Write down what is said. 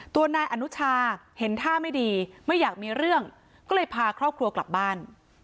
ตัวนายอนุชาเห็นท่าไม่ดีไม่อยากมีเรื่องก็เลยพาครอบครัวกลับบ้าน